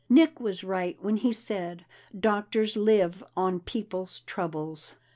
Nick was right when he said doctors live on people's troubles."